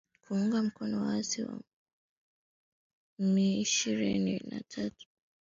kuunga mkono waasi wa M ishirini na tatu